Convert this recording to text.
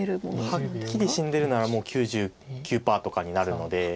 はっきり死んでるならもう９９％とかになるので。